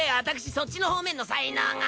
そっちの方面の才能が。